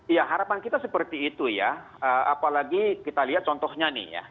ya harapan kita seperti itu ya apalagi kita lihat contohnya nih ya